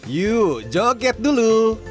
yuk joget dulu